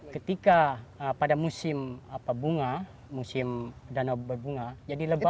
ketika pada musim bunga musim danau berbunga jadi lebah